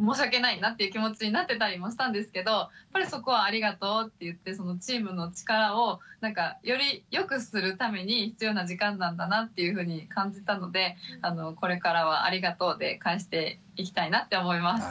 申し訳ないなっていう気持ちになってたりもしたんですけどやっぱりそこはありがとうって言ってチームの力をより良くするために必要な時間なんだなっていうふうに感じたのでこれからは「ありがとう」で返していきたいなって思います。